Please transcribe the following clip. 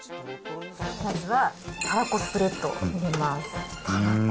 まずはたらこスプレッドを入れます。